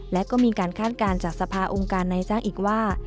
และก็มีการคาดการณ์จากสภาองค์การนายจ้างอีกว่า